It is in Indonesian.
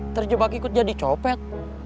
terjebak ikut jadi copet